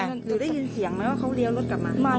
หรือได้ยินเสียงไหมว่าเขาเลี้ยวรถกลับมา